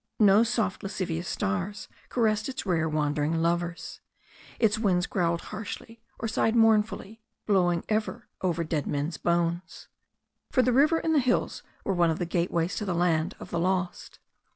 No "soft lascivious stars" caressed its rare wandering lovers. Its winds growled harshly or sighed mournfully, blowing ever oyer dead men's bones. For the river and the hills were one of the gate ways to the land of the lost.